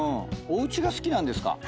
おうちが好きなんですか？